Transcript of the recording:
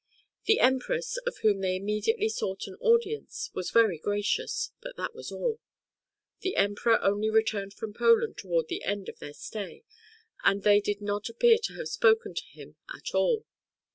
The Empress, of whom they immediately sought an audience, was very gracious, but that was all. The Emperor only returned from Poland towards the end of their stay, and they do not appear to have spoken to him at all.